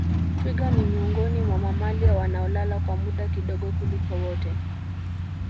Twiga ni miongoni mwa mamalia wanaolala kwa muda kidogo kuliko wote